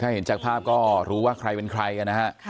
ถ้าเห็นจากภาพก็รู้ว่าใครเป็นใครนะ